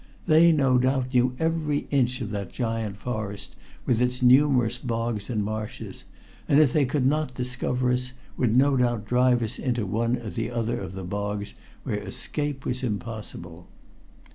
They, no doubt, knew every inch of that giant forest with its numerous bogs and marshes, and if they could not discover us would no doubt drive us into one or other of the bogs, where escape was impossible.